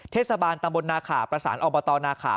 เทศบาลตำบลนาขาประสานอบตนาขา